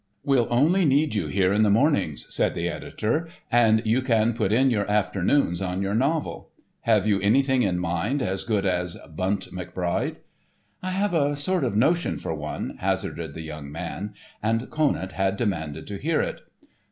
"We'll only need you here in the mornings," said the editor, "and you can put in your afternoons on your novel. Have you anything in mind as good as 'Bunt McBride'?" "I have a sort of notion for one," hazarded the young man; and Conant had demanded to hear it.